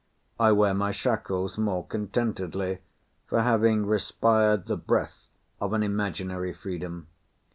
I wear my shackles more contentedly for having respired the breath of an imaginary freedom.